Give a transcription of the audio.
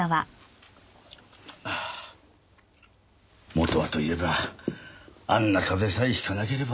元はといえばあんな風邪さえひかなければ。